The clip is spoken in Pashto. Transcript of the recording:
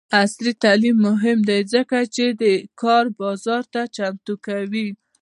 عصري تعلیم مهم دی ځکه چې د کار بازار ته چمتو کوي.